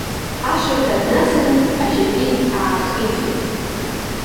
Ашырҳәа днасын ажьагьы аахиҵәеит.